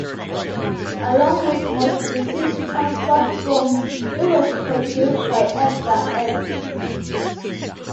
Along with most British Transport Films, it was produced by Edgar Anstey.